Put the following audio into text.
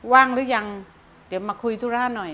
ว่างหรือยังเดี๋ยวมาคุยธุระหน่อย